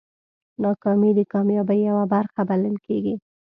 ناکامي د کامیابۍ یوه برخه بلل کېږي.